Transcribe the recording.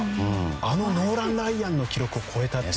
あのノーラン・ライアンの記録を超えたという。